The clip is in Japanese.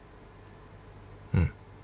うん。